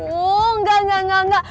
woh enggak enggak enggak enggak